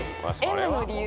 「ｍ」の理由？